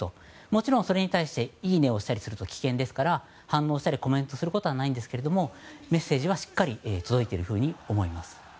もちろんそれに対していいねをしたりすると危険ですから、反応したりコメントすることはないんですがメッセージはしっかり届いていると思います。